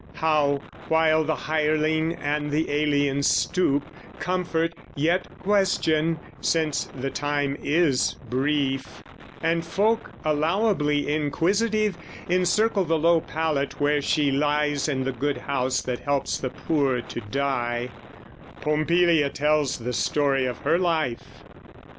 How, while the hireling and the alien stoop, Comfort, yet question, since the time is brief, And folk, allowably inquisitive, Encircle the low pallet where she lies In the good house that helps the poor to die, Pompilia tells the story of her life.